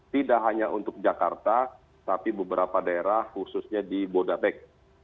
tidak hanya untuk jakarta tapi beberapa daerah khususnya di bodabek